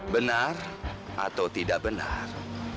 benar atau tidak benar